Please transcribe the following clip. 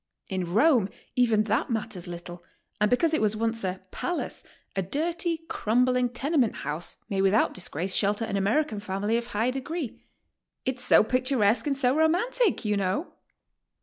In Rome, even that matters little, and because it was otice a "Palace," a dirty, crumbling tenement house may without disgrace shelter an American family of high degree. 'Tt's so picturesque and so romantic, you know!"